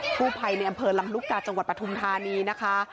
ผู้ภัยในอำเภอลำลูกกาจังหวัดปฐุมธานีนะคะ